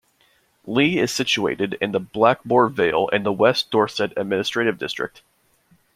Leigh is situated in the Blackmore Vale in the West Dorset administrative district.